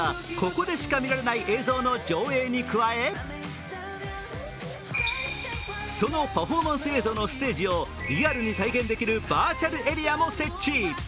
ここでしか見られない映像の上映に加え、そのパフォーマンス映像のステージをリアルに体験できるバーチャルエリアも設置。